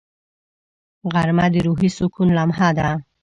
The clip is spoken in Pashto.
غرمه د روحي سکون لمحه ده